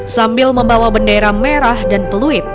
sambil membawa bendera merah dan peluit